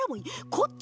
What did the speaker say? こっち？